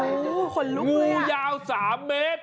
โอ้โหหนูหลุกเลยอ่ะงูยาว๓เมตร